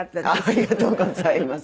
ありがとうございます。